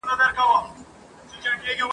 تا هم کړي دي د اور څنګ ته خوبونه؟ ..